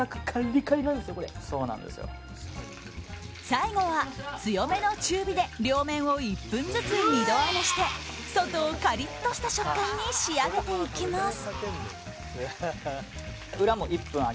最後は強めの中火で両面を１分ずつ２度揚げして外をカリッとした食感に仕上げていきます。